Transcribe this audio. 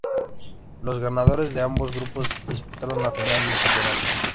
Los ganadores de ambos grupos disputaron la final del campeonato.